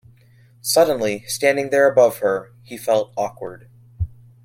Suddenly, standing there above her, he felt awkward.